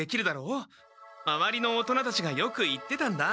まわりの大人たちがよく言ってたんだ。